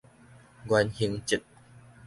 原形質